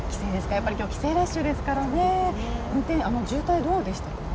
やっぱりきょう帰省ラッシュですからね、運転、渋滞どうでしたか？